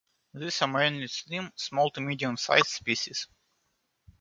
These are mainly slim, small to medium-sized species.